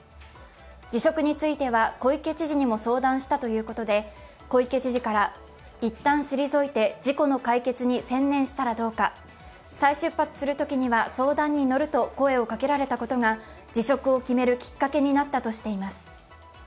辞職については小池知事にも相談したということで、小池知事からいったん退いて事故の解決に専念したらどうか、再出発するときには相談に乗ると声をかけられたことが辞職を決めるきっかけになったとしています。